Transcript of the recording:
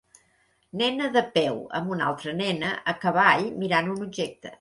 Nena de peu amb una altra nena a cavall mirant un objecte.